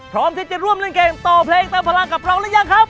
พร้อมที่จะร่วมเล่นเกมต่อเพลงเติมพลังกับเราหรือยังครับ